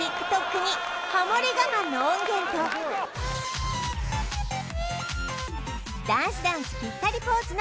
ＴｉｋＴｏｋにハモリ我慢の音源とダンスダンス